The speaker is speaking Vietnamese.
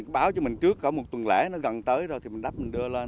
báo cho mình trước có một tuần lễ nó gần tới rồi thì mình đắp mình đưa lên